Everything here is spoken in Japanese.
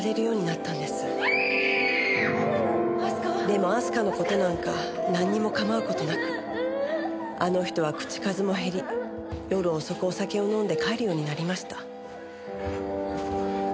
でも明日香の事なんかなんにも構う事なくあの人は口数も減り夜遅くお酒を飲んで帰るようになりました。